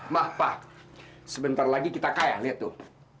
mah pa sebentar lagi kita kaya lihat tuh